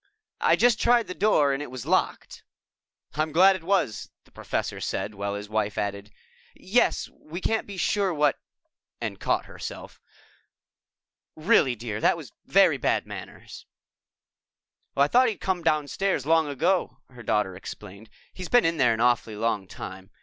"I just tried the door and it was locked." "I'm glad it was!" the Professor said while his wife added, "Yes, you can't be sure what " and caught herself. "Really, dear, that was very bad manners." "I thought he'd come downstairs long ago," her daughter explained. "He's been in there an awfully long time.